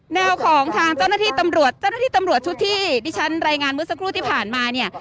แนวของทางเจ้าหน้าที่ตำรวจที่ฉันรายงานเมื่อสักครู่ที่ผ่านมาเนี่ย